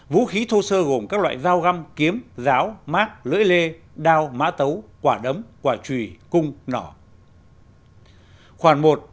vũ khí thu sơ gồm các loại dao găm kiếm giáo mác lưỡi lê đao mã tấu quả đấm quả trùy cung nỏ